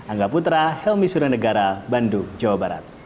angga putra helmi suryanegara bandung jawa barat